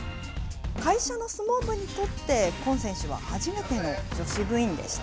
会社の相撲部にとって、今選手は初めての女子部員でした。